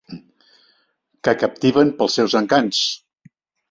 Que captiven pels seus encants.